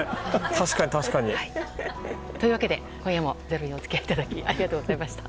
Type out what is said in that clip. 確かに、確かに。というわけで今夜も「ｚｅｒｏ」にお付き合いいただきありがとうございました。